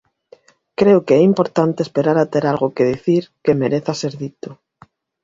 Creo que é importante esperar a ter algo que dicir que mereza ser dito.